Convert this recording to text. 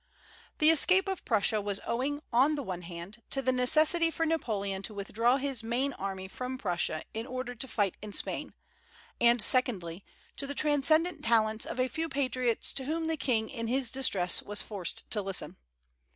The escape of Prussia was owing, on the one hand, to the necessity for Napoleon to withdraw his main army from Prussia in order to fight in Spain; and secondly, to the transcendent talents of a few patriots to whom the king in his distress was forced to listen.